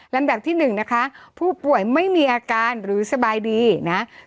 ลำดับที่๑นะคะผู้ป่วยไม่มีอาการหรือสบายดีนะ